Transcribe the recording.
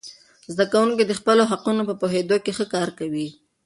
زده کوونکي د خپلو حقونو په پوهیدو کې ښه کار کوي.